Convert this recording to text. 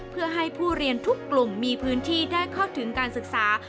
เพื่อให้ผู้เรียนทุกกลุ่มมีพื้นที่ได้เข้าถึงการศึกษา